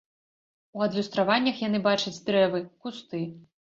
У адлюстраваннях яны бачаць дрэвы, кусты.